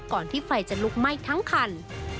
ที่ไฟจะลุกไหม้ทั้งคัน